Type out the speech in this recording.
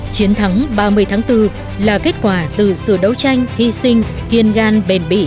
chiến thắng ba mươi tháng bốn là kết quả từ sự đấu tranh hy sinh kiên gan bền bỉ